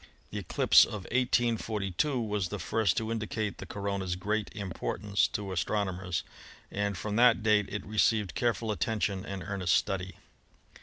The eclipse of 1842 was the first to indicate the corona's great im portance to astronomers, and from that date it received careful attention and earnest study.